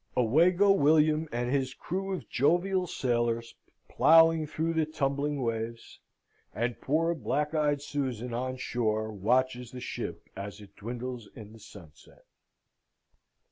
Away go William and his crew of jovial sailors, ploughing through the tumbling waves, and poor Black eyed Susan on shore watches the ship as it dwindles in the sunset.